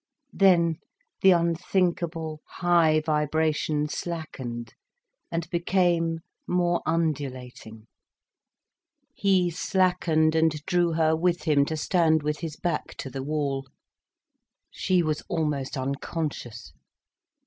Then the unthinkable high vibration slackened and became more undulating. He slackened and drew her with him to stand with his back to the wall. She was almost unconscious.